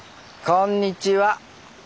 こんにちは。